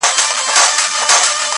• خو یو څوک به دي پر څنګ اخلي ګامونه -